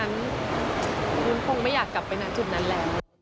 มึงคงไม่อยากกลับไปจุดนั้นแหละ